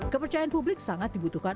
kepercayaan publik sangat dibutuhkan